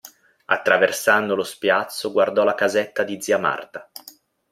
Attraversando lo spiazzo guardò la casetta di zia Marta.